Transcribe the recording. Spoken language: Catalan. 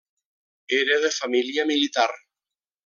Era de família militar.